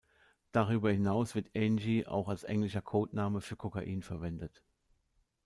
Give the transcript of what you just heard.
Darüber hinaus wird „Angie“ auch als englischer Codename für Kokain verwendet.